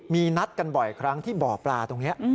มีนัดกันบ่อยครั้งที่บ่อปลาตรงนี้